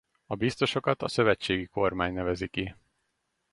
A biztosokat a szövetségi kormány nevezi ki.